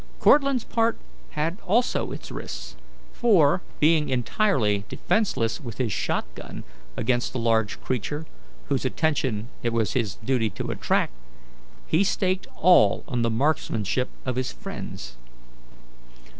Cortlandt's part had also its risks, for, being entirely defenceless with his shot gun against the large creature, whose attention it was his duty to attract, he staked all on the marksmanship of his friends.